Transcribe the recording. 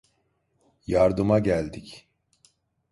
Yardıma geldik.